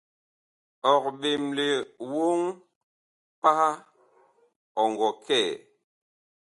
Ɔg ɓemle woŋ pah ɔ ngɔ kɛ?